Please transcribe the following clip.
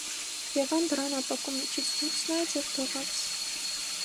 Եվան դռան ապակու միջից դուրս նայեց և դողաց: